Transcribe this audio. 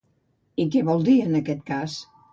I què vol dir en aquest cas?